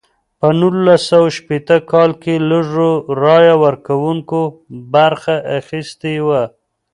په نولس سوه شپیته کال کې لږو رایه ورکوونکو برخه اخیستې وه.